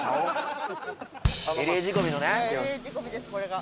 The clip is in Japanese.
ＬＡ仕込みですこれが。